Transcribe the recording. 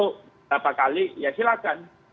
berapa kali ya silahkan